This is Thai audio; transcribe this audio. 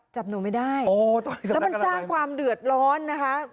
จับหนูไม่ได้แล้วมันสร้างความเดือดร้อนนะคะ